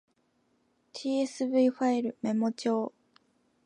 tsv ファイルメモ帳